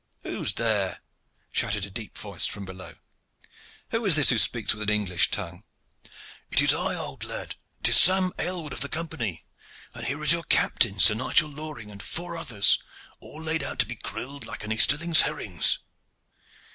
"Who is there?" shouted a deep voice from below. "Who is this who speaks with an English tongue?" "It is I, old lad. It is Sam Aylward of the Company; and here is your captain, Sir Nigel Loring, and four others, all laid out to be grilled like an Easterling's herrings."